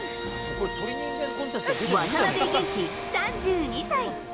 渡辺元樹３２歳。